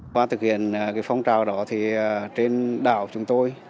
qua thực hiện phong trào đó thì trên đảo chúng tôi